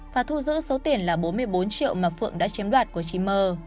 và thu giữ số tiền là bốn mươi bốn triệu mà phượng đã chiếm đoạt của chị m